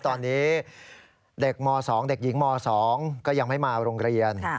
ตอนนี้เด็กม๒เด็กหญิงม๒ก็ยังไม่มาโรงเรียน